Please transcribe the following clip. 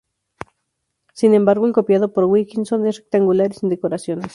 Sin embargo, el copiado por Wilkinson es rectangular y sin decoraciones.